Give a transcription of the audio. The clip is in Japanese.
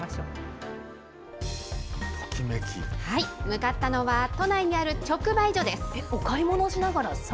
向かったのは、都内にある直売所です。